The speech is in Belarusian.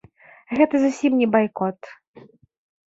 Гэта зусім не байкот.